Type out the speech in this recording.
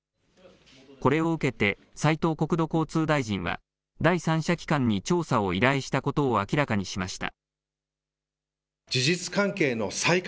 これを受けて、斉藤国土交通大臣は、第三者機関に調査を依頼したことを明らかにしました。